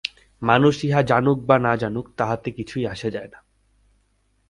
মানুষ ইহা জানুক বা নাই জানুক, তাহাতে কিছুই আসে যায় না।